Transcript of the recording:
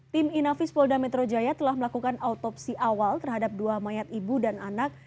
tim inafis polda metro jaya telah melakukan autopsi awal terhadap dua mayat ibu dan anak